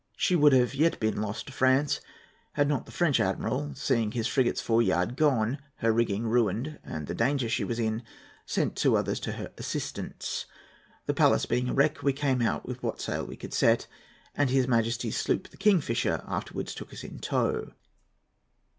She would yet have been lost to France, had not the French admiral, seeing his frigate's foreyard gone, her rigging ruined, and the danger she was in, sent two others to her assistance. The Pallas being a wreck, we came out with what sail could be set, and his Majesty's sloop the Kingfisher afterwards took us in tow."